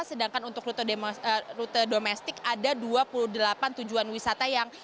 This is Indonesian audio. sedangkan untuk rute domestik ada dua puluh delapan tujuan wisata yang